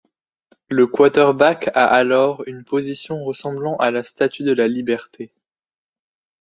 Le quarterback a alors une position ressemblant à la Statue de la Liberté.